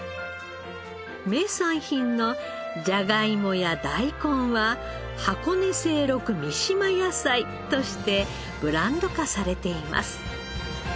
名産品のじゃがいもや大根は箱根西麓三島野菜としてブランド化されています。